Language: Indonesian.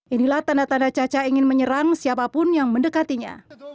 inilah tanda tanda caca ingin menyerang siapapun yang mendekatinya